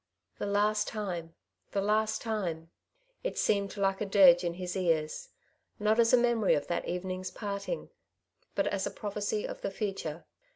The last time ! the last time ! It seemed like a dirge in his ears ; not as a memory of that evening's parting, but as a prophecy of the future.